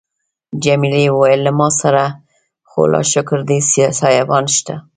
جميلې وويل: له ما سره خو لا شکر دی سایبان شته.